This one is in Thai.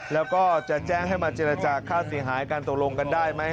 แล้วก็จะแจ้งให้มาเจรจาค่าเสียหายกันตกลงกันได้ไหม